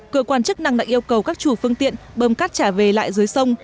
cơ quan chức năng đã yêu cầu các chủ phương tiện bơm cát trả về lại dưới sông